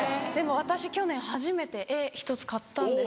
私去年初めて絵１つ買ったんです。